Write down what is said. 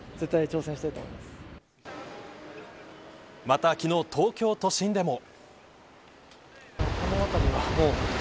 また昨日、東京都心でも。